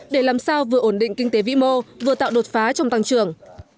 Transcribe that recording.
để làm sao vừa ổn định kinh tế vĩ mô vừa tạo đột phá trong tăng trưởng